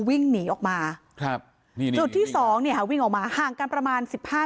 วิ่งหนีออกมาครับนี่นี่จุดที่สองเนี่ยค่ะวิ่งออกมาห่างกันประมาณสิบห้า